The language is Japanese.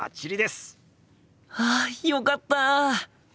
はあよかった！